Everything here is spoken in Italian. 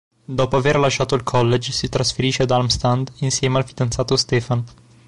Dopo aver lasciato il college si trasferisce ad Halmstad insieme al fidanzato Stefan.